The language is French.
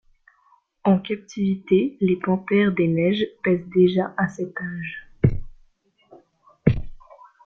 En captivité, les Panthères des neiges pèsent déjà à cet âge.